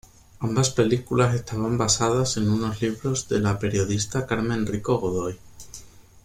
Ambas películas estaban basadas en unos libros de la periodista Carmen Rico-Godoy.